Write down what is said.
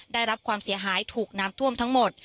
ได้รับความเสียหายถูกน้ำท่วมทั้งหมด